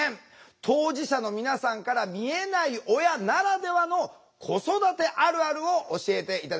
当事者の皆さんから見えない親ならではの子育てあるあるを教えて頂きたいと思います。